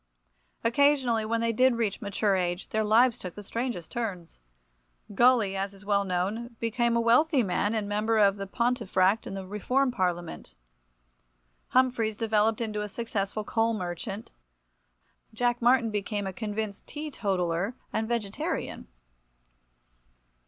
Occasionally, when they did reach mature age, their lives took the strangest turns. Gully, as is well known, became a wealthy man, and Member for Pontefract in the Reform Parliament. Humphries developed into a successful coal merchant. Jack Martin became a convinced teetotaller and vegetarian.